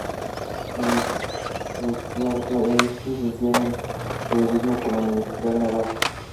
Es licenciada en periodismo por la Universidad de Navarra.